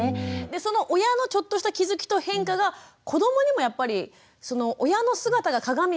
その親のちょっとした気付きと変化が子どもにもやっぱりその親の姿が鏡みたいな感覚で影響していくんですね。